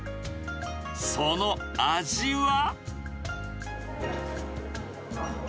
その味は？